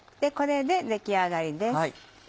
これで出来上がりです。